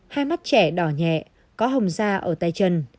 hai mắt trẻ đỏ nhẹ có hồng da ở tay chân